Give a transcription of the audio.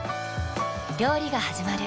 料理がはじまる。